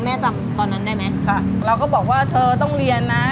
จำตอนนั้นได้ไหมค่ะเราก็บอกว่าเธอต้องเรียนนะ